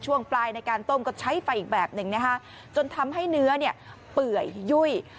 ช่วงปลายในการต้มก็ใช้ไฟอีกแบบหนึ่งนะคะจนทำให้เนื้อเนี่ยเปื่อยยุ่ย